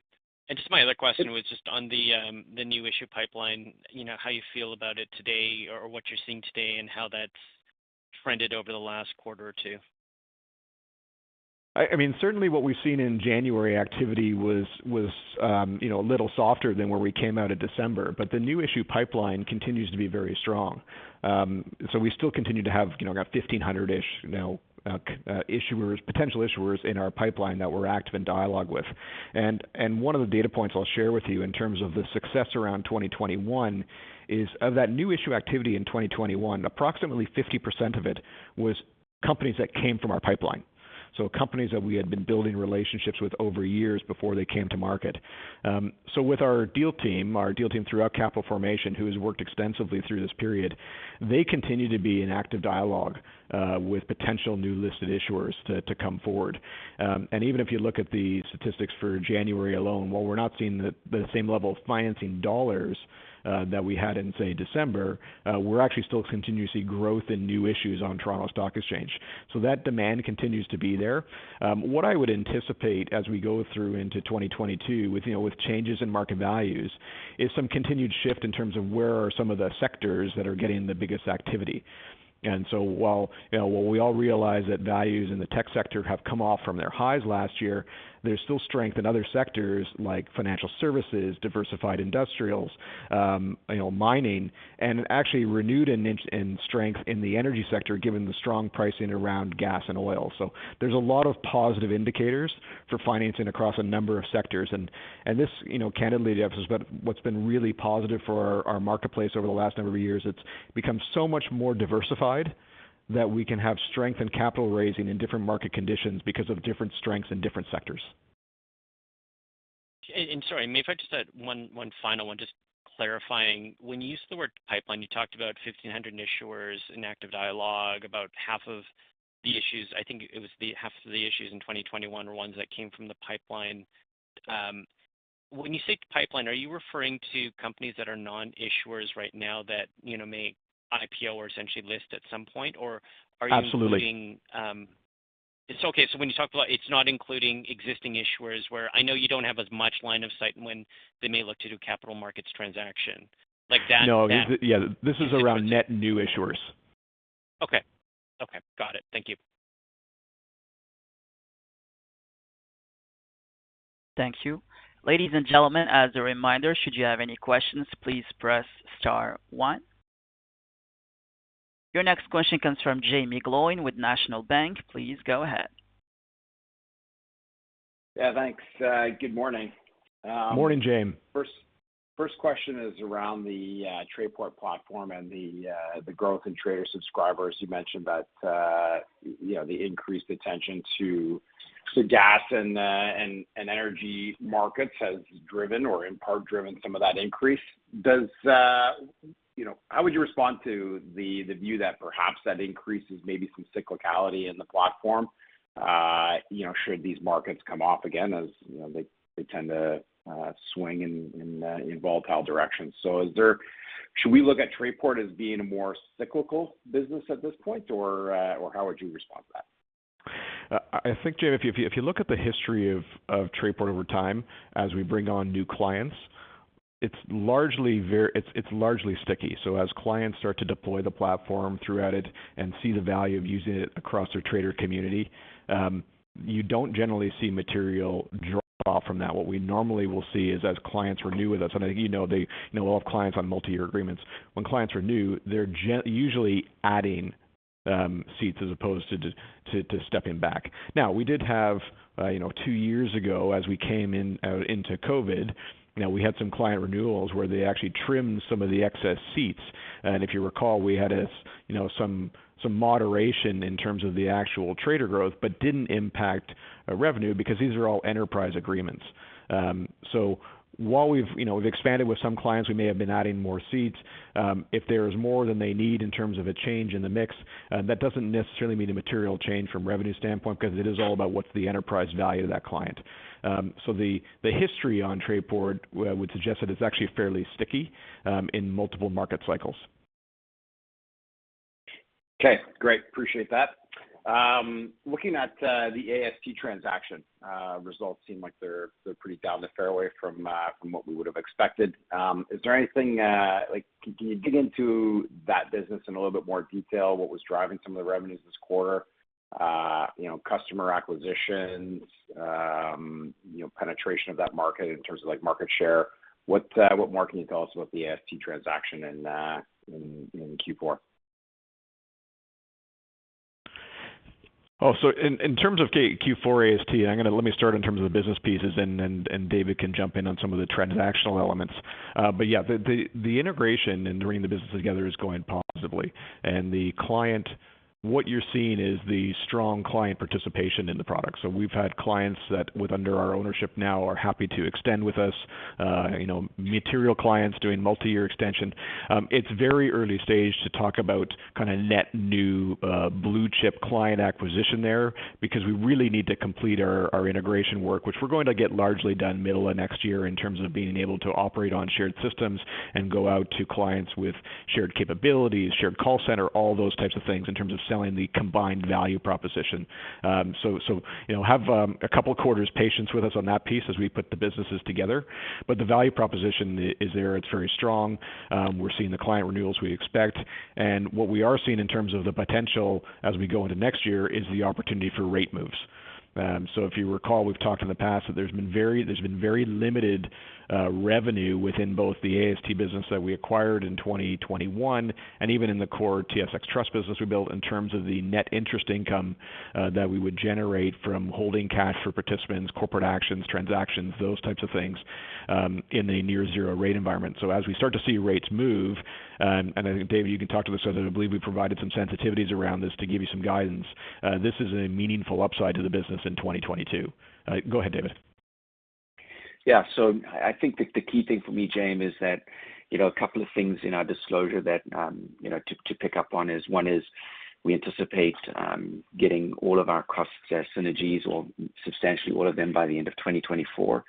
Just my other question was just on the new issue pipeline, you know, how you feel about it today or what you're seeing today and how that's trended over the last quarter or two. I mean, certainly what we've seen in January activity was a little softer than where we came out of December, but the new issue pipeline continues to be very strong. We still continue to have, you know, about 1,500-ish, you know, issuers, potential issuers in our pipeline that we're active in dialogue with. One of the data points I'll share with you in terms of the success around 2021 is of that new issue activity in 2021, approximately 50% of it was companies that came from our pipeline. Companies that we had been building relationships with over years before they came to market. With our deal team throughout Capital Formation, who has worked extensively through this period, they continue to be in active dialogue with potential new listed issuers to come forward. Even if you look at the statistics for January alone, while we're not seeing the same level of financing dollars that we had in, say, December, we're actually still continuing to see growth in new issues on Toronto Stock Exchange. That demand continues to be there. What I would anticipate as we go through into 2022 with, you know, with changes in market values, is some continued shift in terms of where are some of the sectors that are getting the biggest activity. While, you know, while we all realize that values in the tech sector have come off from their highs last year, there's still strength in other sectors like financial services, diversified industrials, you know, mining, and actually renewed strength in the energy sector, given the strong pricing around gas and oil. There's a lot of positive indicators for financing across a number of sectors. This, you know, candidly, Jeff, is what's been really positive for our marketplace over the last number of years. It's become so much more diversified that we can have strength in capital raising in different market conditions because of different strengths in different sectors. Sorry, may I just add one final one just clarifying. When you used the word pipeline, you talked about 1,500 issuers in active dialogue, about half of the issues. I think it was the half of the issues in 2021 were ones that came from the pipeline. When you say pipeline, are you referring to companies that are non-issuers right now that, you know, may IPO or essentially list at some point, or are you- Absolutely. It's okay. When you talk about it's not including existing issuers where I know you don't have as much line of sight when they may look to do capital markets transaction like that. No, yeah, this is around net new issuers. Okay. Okay. Got it. Thank you. Thank you. Ladies and gentlemen, as a reminder, should you have any questions, please press star one. Your next question comes from Jaeme Gloyn with National Bank. Please go ahead. Yeah, thanks. Good morning. Morning, Jaeme. First question is around the Trayport platform and the growth in trader subscribers. You mentioned that the increased attention to gas and energy markets has driven, or in part driven, some of that increase. How would you respond to the view that perhaps that increases maybe some cyclicality in the platform, should these markets come off again as they tend to swing in volatile directions? Should we look at Trayport as being a more cyclical business at this point, or how would you respond to that? I think, Jaeme, if you look at the history of Trayport over time as we bring on new clients, it's largely sticky. As clients start to deploy the platform throughout it and see the value of using it across their trader community, you don't generally see material drop-off from that. What we normally will see is as clients renew with us, and I think you know we'll have clients on multi-year agreements. When clients renew, they're usually adding seats as opposed to just stepping back. Now, we did have two years ago as we came into COVID, you know, we had some client renewals where they actually trimmed some of the excess seats. If you recall, we had, as you know, some moderation in terms of the actual trader growth, but didn't impact revenue because these are all enterprise agreements. While we've, you know, expanded with some clients, we may have been adding more seats, if there is more than they need in terms of a change in the mix, that doesn't necessarily mean a material change from revenue standpoint 'cause it is all about what's the enterprise value to that client. The history on Trayport would suggest that it's actually fairly sticky in multiple market cycles. Okay, great. Appreciate that. Looking at the AST transaction, results seem like they're pretty down the fairway from what we would've expected. Is there anything like can you dig into that business in a little bit more detail, what was driving some of the revenues this quarter? You know, customer acquisitions, you know, penetration of that market in terms of like market share. What more can you tell us about the AST transaction in Q4? In terms of Q4 AST, let me start in terms of the business pieces and David can jump in on some of the transactional elements. The integration and bringing the business together is going positively. The client, what you're seeing is the strong client participation in the product. We've had clients that, with under our ownership now, are happy to extend with us, you know, material clients doing multi-year extension. It's very early stage to talk about kinda net new blue chip client acquisition there because we really need to complete our integration work, which we're going to get largely done middle of next year in terms of being able to operate on shared systems and go out to clients with shared capabilities, shared call center, all those types of things in terms of selling the combined value proposition. You know, have a couple quarters patience with us on that piece as we put the businesses together. But the value proposition is there, it's very strong. We're seeing the client renewals we expect. What we are seeing in terms of the potential as we go into next year is the opportunity for rate moves. If you recall, we've talked in the past that there's been very limited revenue within both the AST business that we acquired in 2021 and even in the core TSX Trust business we built in terms of the net interest income that we would generate from holding cash for participants, corporate actions, transactions, those types of things, in a near zero rate environment. As we start to see rates move, and I think, David, you can talk to this other. I believe we provided some sensitivities around this to give you some guidance. This is a meaningful upside to the business in 2022. Go ahead, David. Yeah. I think the key thing for me, Jaeme, is that, you know, a couple of things in our disclosure that, you know, to pick up on is, one is we anticipate getting all of our cost synergies or substantially all of them by the end of 2024.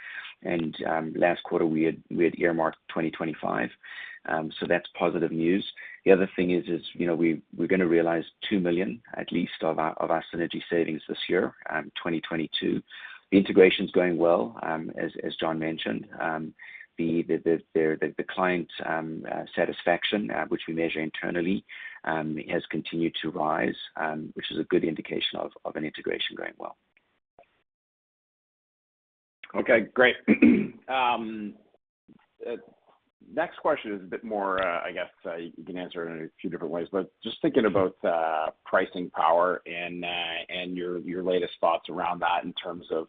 Last quarter, we had earmarked 2025. That's positive news. The other thing is, you know, we're gonna realize 2 million, at least of our synergy savings this year, 2022. Integration's going well, as John mentioned. The client satisfaction, which we measure internally, has continued to rise, which is a good indication of an integration going well. Okay, great. Next question is a bit more, I guess, you can answer it in a few different ways. Just thinking about pricing power and your latest thoughts around that in terms of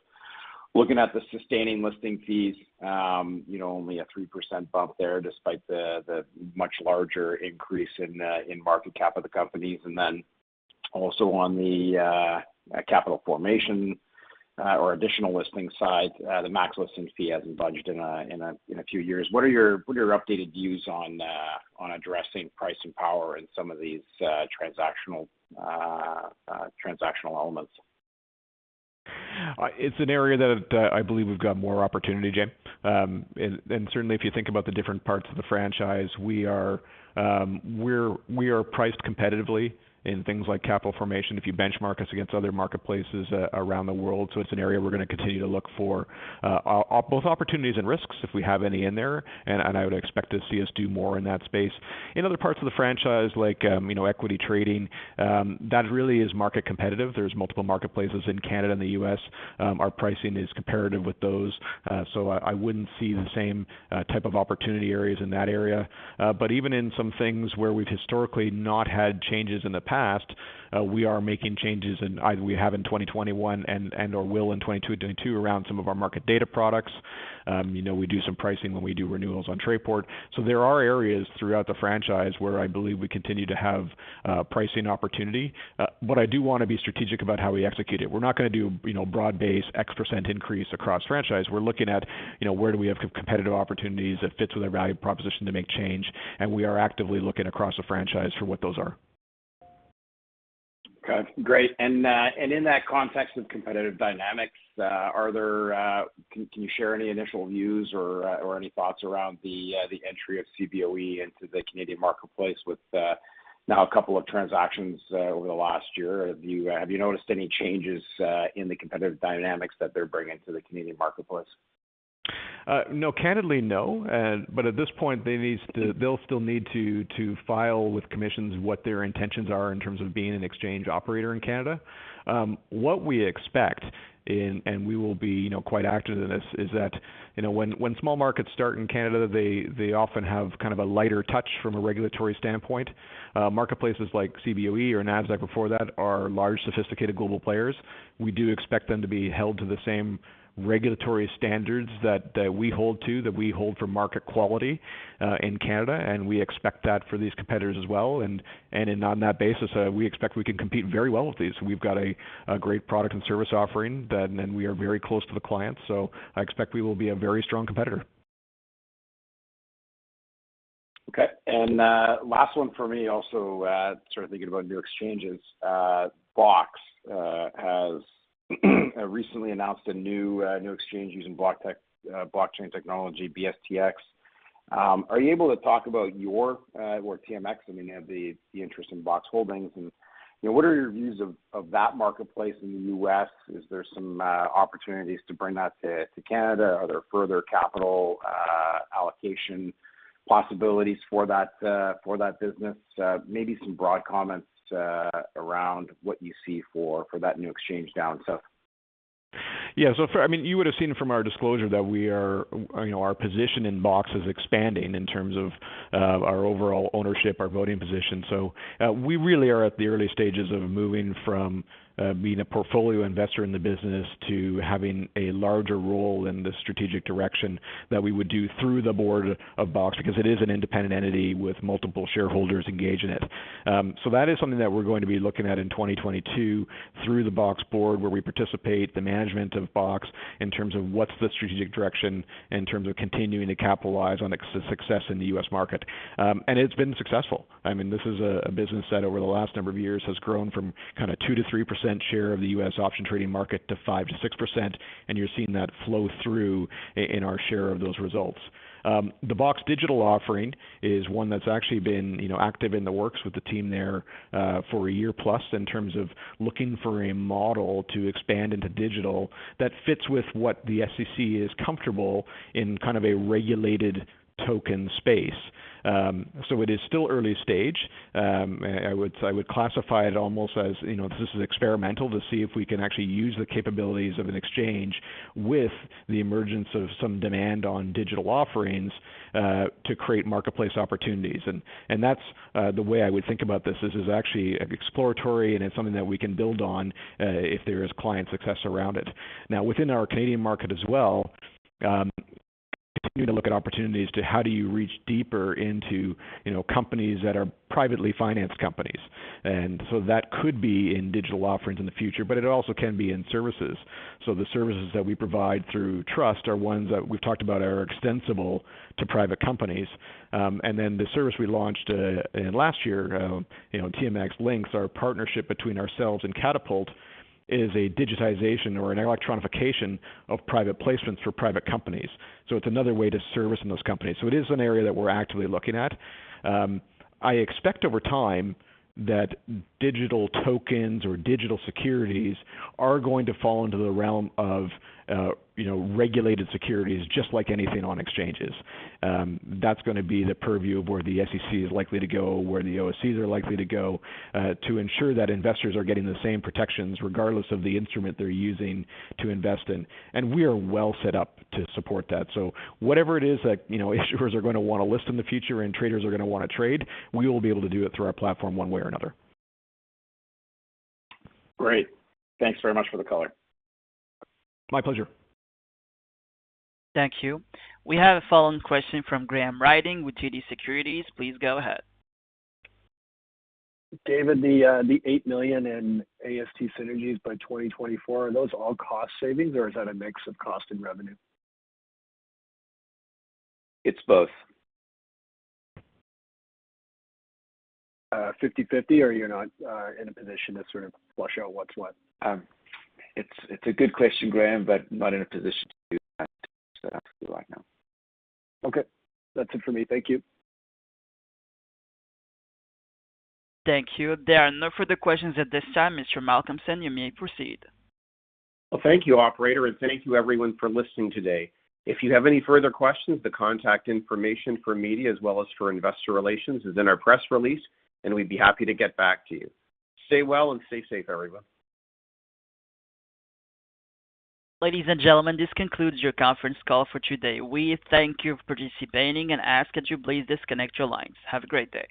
looking at the sustaining listing fees. You know, only a 3% bump there despite the much larger increase in market cap of the companies. Then also on the Capital Formation or additional listing side, the max listing fee hasn't budged in a few years. What are your updated views on addressing pricing power in some of these transactional elements? It's an area that I believe we've got more opportunity, Jim. Certainly if you think about the different parts of the franchise, we are priced competitively in things like Capital Formation, if you benchmark us against other marketplaces around the world. It's an area we're gonna continue to look for both opportunities and risks if we have any in there, and I would expect to see us do more in that space. In other parts of the franchise like you know equity trading, that really is market competitive. There's multiple marketplaces in Canada and the U.S. Our pricing is comparative with those. I wouldn't see the same type of opportunity areas in that area. Even in some things where we've historically not had changes in the past, we are making changes, and either we have in 2021 and or will in 2022 around some of our market data products. You know, we do some pricing when we do renewals on Trayport. There are areas throughout the franchise where I believe we continue to have pricing opportunity. I do wanna be strategic about how we execute it. We're not gonna do, you know, broad-based X percent increase across franchise. We're looking at, you know, where do we have competitive opportunities that fits with our value proposition to make change, and we are actively looking across the franchise for what those are. Okay. Great. In that context of competitive dynamics, can you share any initial views or any thoughts around the entry of Cboe into the Canadian marketplace with now a couple of transactions over the last year? Have you noticed any changes in the competitive dynamics that they're bringing to the Canadian marketplace? No. Candidly, no. At this point, they'll still need to file with commissions what their intentions are in terms of being an exchange operator in Canada. What we expect and we will be, you know, quite active in this, is that, you know, when small markets start in Canada, they often have kind of a lighter touch from a regulatory standpoint. Marketplaces like Cboe or Nasdaq before that are large, sophisticated global players. We do expect them to be held to the same regulatory standards that we hold to, that we hold for market quality in Canada, and we expect that for these competitors as well. On that basis, we expect we can compete very well with these. We've got a great product and service offering that. We are very close to the clients. I expect we will be a very strong competitor. Okay. Last one for me. Also, sort of thinking about new exchanges, BOX has recently announced a new exchange using blockchain technology, BSTX. Are you able to talk about your, or TMX, I mean, you have the interest in BOX Holdings and, you know, what are your views of that marketplace in the U.S.? Is there some opportunities to bring that to Canada? Are there further capital allocation possibilities for that business? Maybe some broad comments around what you see for that new exchange down south. I mean, you would've seen from our disclosure that, you know, our position in Box is expanding in terms of our overall ownership, our voting position. We really are at the early stages of moving from being a portfolio investor in the business to having a larger role in the strategic direction that we would do through the board of Box, because it is an independent entity with multiple shareholders engaged in it. That is something that we're going to be looking at in 2022 through the Box board, where we participate in the management of Box in terms of what's the strategic direction in terms of continuing to capitalize on the success in the U.S. market. It's been successful. I mean, this is a business that over the last number of years has grown from kind of 2%-3% share of the U.S. option trading market to 5%-6%, and you're seeing that flow through in our share of those results. The BOX digital offering is one that's actually been, you know, active in the works with the team there, for a year plus in terms of looking for a model to expand into digital that fits with what the SEC is comfortable in kind of a regulated token space. It is still early stage. I would classify it almost as, you know, this is experimental to see if we can actually use the capabilities of an exchange with the emergence of some demand on digital offerings, to create marketplace opportunities. That's the way I would think about this. This is actually exploratory, and it's something that we can build on if there is client success around it. Now, within our Canadian market as well, we continue to look at opportunities to how do you reach deeper into, you know, companies that are privately financed companies. That could be in digital offerings in the future, but it also can be in services. The services that we provide through trust are ones that we've talked about are extensible to private companies. Then the service we launched in last year, you know, TMX LINX, our partnership between ourselves and Katipult, is a digitization or an electronification of private placements for private companies. It's another way to service in those companies. It is an area that we're actively looking at. I expect over time that digital tokens or digital securities are going to fall into the realm of, you know, regulated securities, just like anything on exchanges. That's gonna be the purview of where the SEC is likely to go, where the OSCs are likely to go, to ensure that investors are getting the same protections regardless of the instrument they're using to invest in. We are well set up to support that. Whatever it is that, you know, issuers are gonna wanna list in the future and traders are gonna wanna trade, we will be able to do it through our platform one way or another. Great. Thanks very much for the color. My pleasure. Thank you. We have a follow-on question from Graham Ryding with TD Securities. Please go ahead. David, the 8 million in AST synergies by 2024, are those all cost savings, or is that a mix of cost and revenue? It's both. Fifty-50, or you're not in a position to sort of flesh out what's what? It's a good question, Graham, but not in a position to do that right now. Okay. That's it for me. Thank you. Thank you. There are no further questions at this time. Mr. Malcolmson, you may proceed. Well, thank you, operator, and thank you everyone for listening today. If you have any further questions, the contact information for media as well as for investor relations is in our press release, and we'd be happy to get back to you. Stay well and stay safe, everyone. Ladies and gentlemen, this concludes your conference call for today. We thank you for participating and ask that you please disconnect your lines. Have a great day.